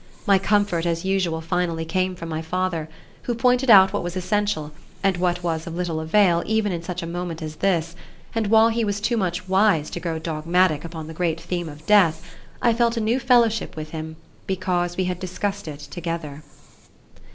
My comfort as usual finally came from my father, who pointed out what was essential and what was of little avail even in such a moment as this, and while he was much too wise to grow dogmatic upon the great theme of death, I felt a new fellowship with him because we had discussed it together.